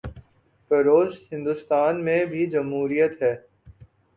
پڑوس ہندوستان میں بھی جمہوریت ہے۔